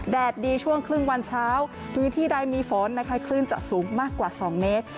ดีช่วงครึ่งวันเช้าพื้นที่ใดมีฝนนะคะคลื่นจะสูงมากกว่า๒เมตร